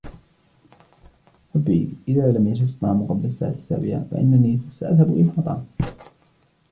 حُبي ، إذا لم يجهز الطعام قبل الساعة السابعة ، فإنني سأذهب إلى المطعم.